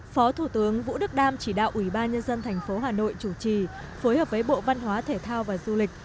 phó thủ tướng vũ đức đam chỉ đạo ủy ban nhân dân tp hà nội chủ trì phối hợp với bộ văn hóa thể thao và du lịch